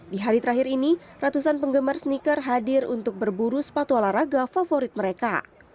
di hari terakhir ini ratusan penggemar sneaker hadir untuk berburu sepatu olahraga favorit mereka